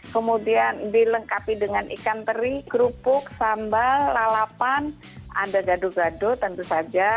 kemudian dilengkapi dengan ikan teri kerupuk sambal lalapan ada gado gado tentu saja